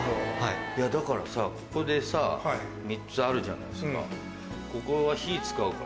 だからさここでさ３つあるじゃないですか。